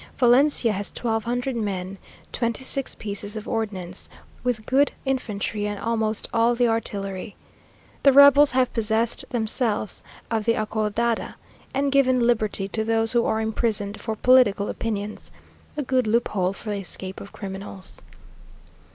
Valencia has twelve hundred men, twenty six pieces of ordnance, with good infantry, and almost all the artillery. The rebels have possessed themselves of the Acordada, and given liberty to those who were imprisoned for political opinions a good loophole for the escape of criminals.